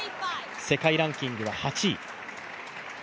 世界ランキングは８位。